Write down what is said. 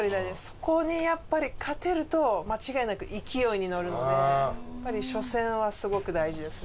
そこにやっぱり勝てると間違いなく勢いに乗るのでやっぱり初戦はすごく大事ですね。